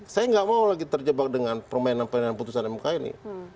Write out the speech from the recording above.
saya nggak mau lagi terjebak dengan permainan permainan putusan mk ini